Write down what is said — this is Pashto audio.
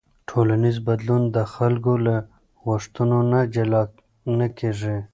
ټولنیز بدلون د خلکو له غوښتنو نه جلا نه کېږي.